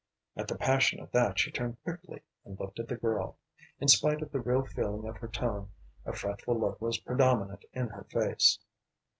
At the passion of that she turned quickly and looked at the girl. In spite of the real feeling of her tone a fretful look was predominant in her face.